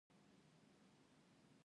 ایا دلته وړیا درمل شته؟